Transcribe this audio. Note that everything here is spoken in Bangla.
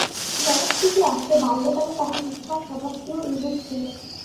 জনশ্রুতি আছে, বাল্যকালে তাহার পিসিমার স্বভাবটিও এইরূপ ছিল।